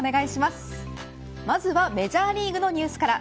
まずはメジャーリーグのニュースから。